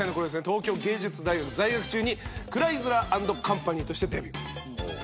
東京藝術大学在学中にクライズラー＆カンパニーとしてデビュー。